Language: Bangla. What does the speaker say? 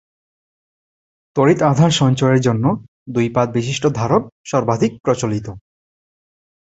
তড়িৎ আধান সঞ্চয়ের জন্য দুই পাত বিশিষ্ট ধারক সর্বাধিক প্রচলিত।